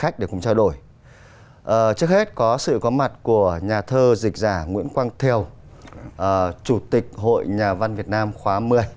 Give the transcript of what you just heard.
trước hết có sự có mặt của nhà thơ dịch giả nguyễn quang thiều chủ tịch hội nhà văn việt nam khóa một mươi